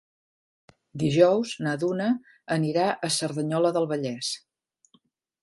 Dijous na Duna anirà a Cerdanyola del Vallès.